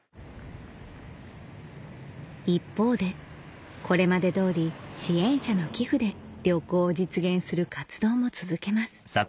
一方でこれまで通り支援者の寄付で旅行を実現する活動も続けます